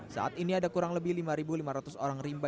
saat ini ada kurang lebih lima lima ratus orang rimba